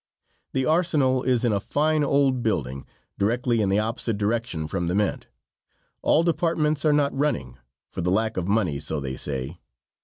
The arsenal is in a fine old building directly in the opposite direction from the mint. All departments are not running for the lack of money, so they say.